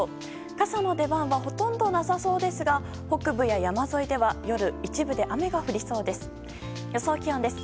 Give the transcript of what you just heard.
傘の出番はほとんどなさそうですが北部や山沿いでは夜、一部で雨が降りそうです。